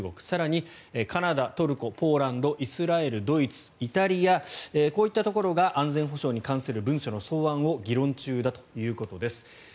更に、カナダ、トルコポーランドイスラエル、ドイツ、イタリアこういったところが安全保障に関する文書の草案を議論中だということです。